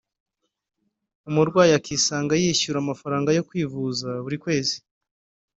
umurwayi akisanga yishyura amafaranga yo kwivuza buri kwezi